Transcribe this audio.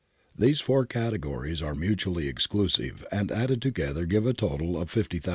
.. These four categories are mutually exclusive, and added together give a total of 50,000.